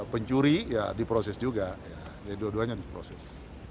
pencuri ya diproses juga jadi dua duanya diproses